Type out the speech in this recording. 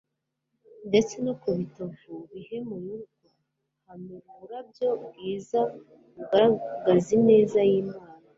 ndetse no ku bitovu bihmyurwa hameruburabyo bgiza bugaragazineza ylmana